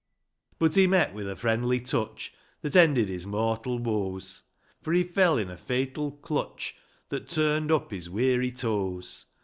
V. But he met with a friendly touch That ended his mortal woes ; For he fell in a fatal clutch, That turned up his weary toes r OWD RODDLE.